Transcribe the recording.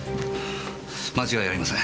間違いありません。